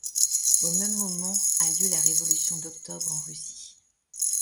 Au même moment a lieu la Révolution d'Octobre en Russie.